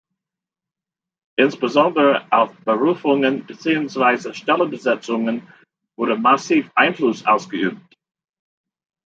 Insbesondere auf Berufungen beziehungsweise Stellenbesetzungen wurde massiv Einfluss ausgeübt.